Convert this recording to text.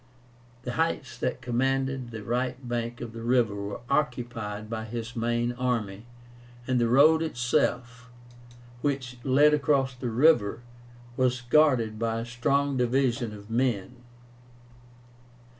The heights that commanded the right bank of the river were occupied by his main army; and the road itself, which led across the river, was guarded by a strong division of men.